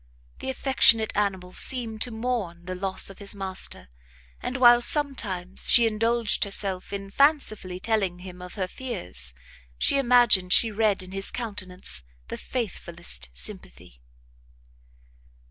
The affectionate animal seemed to mourn the loss of his master, and while sometimes she indulged herself in fancifully telling him her fears, she imagined she read in his countenance the faithfullest sympathy.